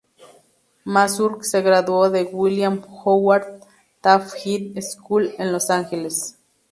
Mazur se graduó de William Howard Taft High School en Los Ángeles.